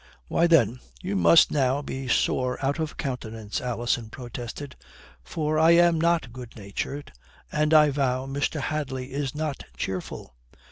'" "Why, then, you must now be sore out of countenance," Alison protested. "For I am not good natured and I vow Mr. Hadley is not cheerful."